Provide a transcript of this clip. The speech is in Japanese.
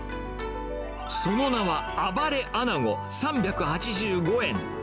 その名は、暴れアナゴ３８５円。